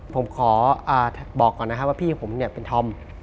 ผมขอบอกก่อนนะครับว่าพี่ผมเนี่ยเป็นธอม